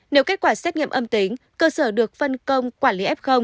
nếu kết quả xét nghiệm âm tính cơ sở được phân công quản lý f